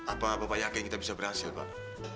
apa bapak yakin kita bisa berhasil pak